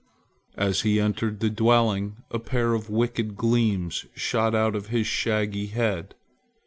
As he entered the dwelling a pair of wicked gleams shot out of his shaggy head.